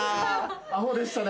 アホでしたね。